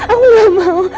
aku gak mau